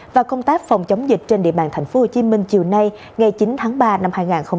và công tác phòng chống dịch trên địa bàn tp hcm chiều nay ngày chín tháng ba năm hai nghìn hai mươi